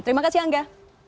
terima kasih angga